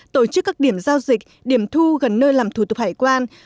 tổ chức các điểm giao dịch điểm thu gần nơi làm thủ tục hải quan